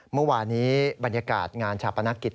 เมื่อวานี้บรรยากาศงานชาปนกิจ